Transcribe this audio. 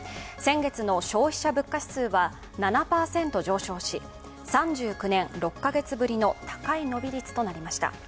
先月の消費者物価指数は７％上昇し３９年６カ月ぶりの高い伸び率となりました。